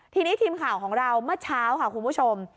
ทีนี้ทีมข่าวของเราเมื่อเช้าค่ะคุณผู้ชม